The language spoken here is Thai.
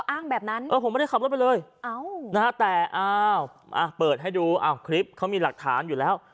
อ้างแบบนั้นผมไม่ได้ขับรถไปเลยแต่อ้าวเปิดให้ดูคลิปเขามีหลักฐานอยู่แล้ว